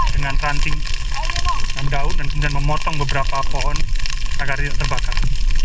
dengan ranting daun dan kemudian memotong beberapa pohon agar tidak terbakar